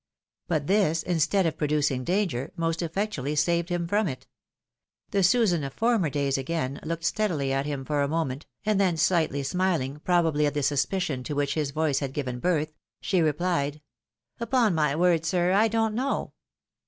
But this, instead of producing danger, most effectually saved him from it ; the Susan of former days again looked steadily at him for a moment, and then slightly smiUng, pro bably at the suspicion to which his voice had given birth, she replied, " Upon my word, sir, I don't know."